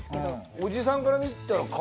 おじさんから見たら。